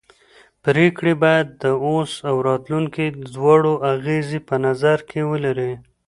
پرېکړې باید د اوس او راتلونکي دواړو اغېزې په نظر کې ولري